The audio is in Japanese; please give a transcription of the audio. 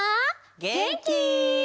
げんき？